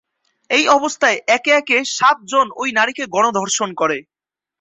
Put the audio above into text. ওই অবস্থায় একে একে সাতজন ঐ নারীকে গণধর্ষণ করে।